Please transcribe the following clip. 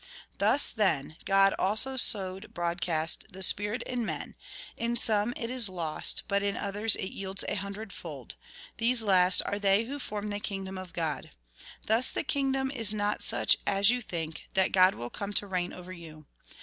Thus, then, God also sowed broadcast the spirit in men ; in some it is lost, but in others it yields a hundredfold : these last are they who form the kingdom of God. Thus the kingdom is not such as you think, that God will come to reign over you.